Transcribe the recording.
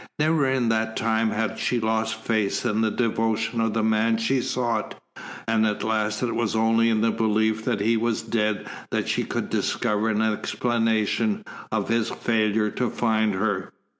Never in that time had she lost faith in the devotion of the man she sought, and at last it was only in the belief that he was dead that she could discover an explanation of his failure to find her.